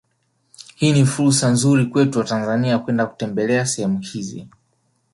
Hii ni fursa nzuri kwetu watanzania kwenda kutembelea sehemu hizi